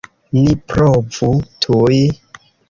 Ni provu tuj!